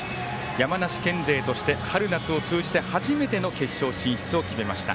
山梨県勢として春夏を通じて初めての決勝進出を決めました。